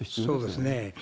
そうですね。